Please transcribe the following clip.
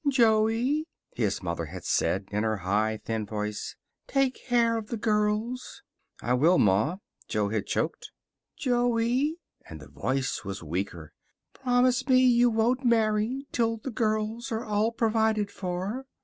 "Joey," his mother had said, in her high, thin voice, "take care of the girls." "I will, Ma," Jo had choked. "Joey," and the voice was weaker, "promise me you won't marry till the girls are all provided for."